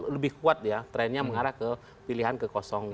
lebih kuat ya trennya mengarah ke pilihan ke dua